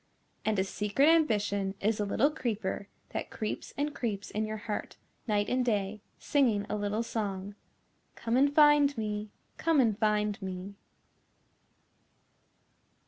And a secret ambition is a little creeper that creeps and creeps in your heart night and day, singing a little song, "Come and find me, come and find me."